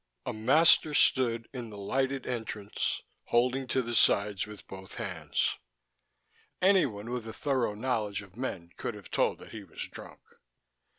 A master stood in the lighted entrance, holding to the sides with both hands. Anyone with a thorough knowledge of men could have told that he was drunk.